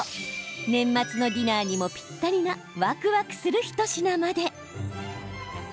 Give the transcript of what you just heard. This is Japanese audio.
年末のディナーにもぴったりなわくわくする一品まで。